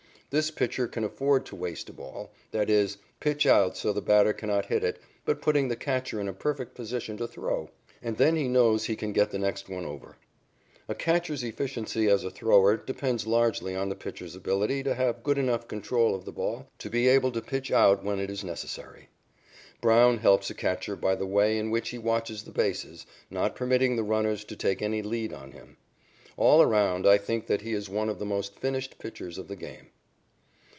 This pitcher can afford to waste a ball that is, pitch out so the batter cannot hit it, but putting the catcher in a perfect position to throw and then he knows he can get the next one over. A catcher's efficiency as a thrower depends largely on the pitcher's ability to have good enough control of the ball to be able to pitch out when it is necessary. Brown helps a catcher by the way in which he watches the bases, not permitting the runners to take any lead on him. All around, I think that he is one of the most finished pitchers of the game.